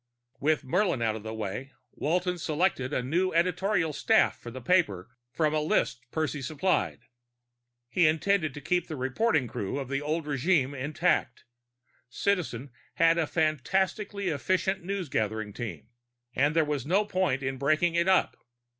With Murlin out of the way, Walton selected a new editorial staff for the paper from a list Percy supplied. He intended to keep the reporting crew of the old regime intact; Citizen had a fantastically efficient newsgathering team, and there was no point in breaking it up.